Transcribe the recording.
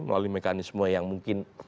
melalui mekanisme yang mungkin